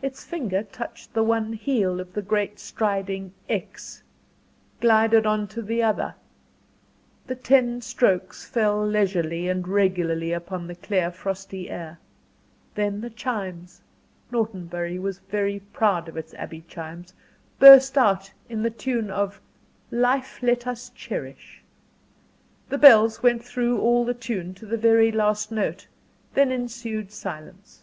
Its finger touched the one heel of the great striding X glided on to the other the ten strokes fell leisurely and regularly upon the clear frosty air; then the chimes Norton Bury was proud of its Abbey chimes burst out in the tune of "Life let us Cherish." The bells went through all the tune, to the very last note then ensued silence.